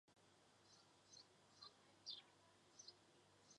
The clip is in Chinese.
该物种的模式产地在西藏墨脱。